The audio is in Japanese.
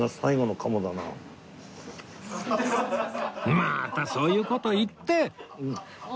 またそういう事言って！